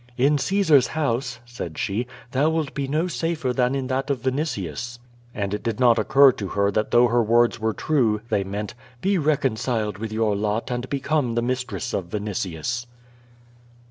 "In Caesar's house," said she, "thou wilt be no safer than in that of Vinitius." And it did not occur to her that though her words were true, they meant: "Be reconciled with your lot and become the mistress of Vinitius."